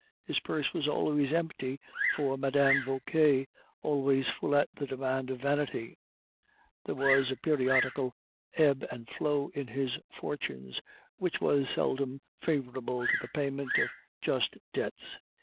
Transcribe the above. His purse was always empty for Mme. Vauquer, always full at the demand of vanity; there was a periodical ebb and flow in his fortunes, which was seldom favorable to the payment of just debts.